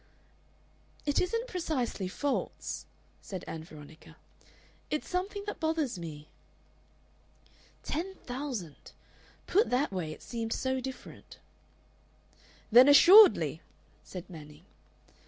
"It isn't precisely faults," said Ann Veronica. "It's something that bothers me." Ten thousand! Put that way it seemed so different. "Then assuredly!" said Manning.